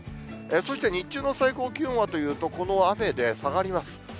そして日中の最高気温はというと、この雨で下がります。